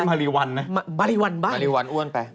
ไม่ใช่มะริวันนะมะริวันบ้างมะริวันอ้วนไป